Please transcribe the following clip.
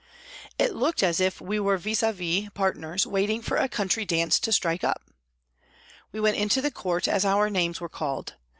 It looked as if we were vis d vis partners waiting 56 PRISONS AND PRISONERS for a country dance to strike up. We went into the court as our names were called.